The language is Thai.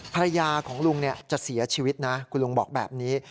ภรรยาของลุงจะเสียชีวิตนะคุณลุงบอกแบบนี้